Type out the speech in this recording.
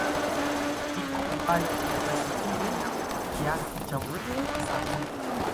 Iko umbali wa kilomita sitini na mbili kiasi cha mwendo wa saa moja